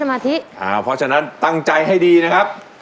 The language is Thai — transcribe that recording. เพราะฉะนั้นตั้งใจให้ดีนะครับ